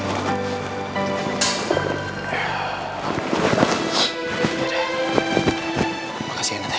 makasih ya nadine